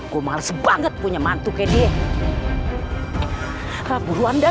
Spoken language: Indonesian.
gua males banget punya mantu kaya dia